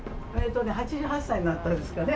８８歳になったんですかね。